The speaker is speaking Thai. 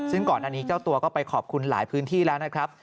ซึ่งก่อนอันนี้เจ้าตัวก็ไปขอบคุณหลายพื้นที่แล้วนะครับ